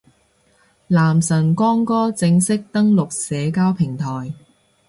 男神光哥正式登陸社交平台